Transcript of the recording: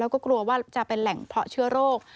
แล้วก็กลัวว่าจะเป็นแหล่งเพาะเชื้อโรค